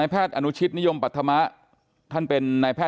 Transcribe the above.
แล้วรู้ไหมว่าลูกอยู่กับเรา